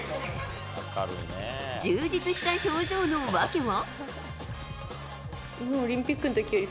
充実した表情の訳は。